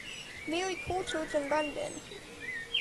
Mary Colechurch in London.